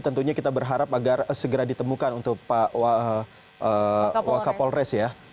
tentunya kita berharap agar segera ditemukan untuk pak wakapolres ya